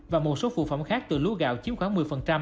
và một số phụ phẩm khác từ lúa gạo chiếm khoảng một mươi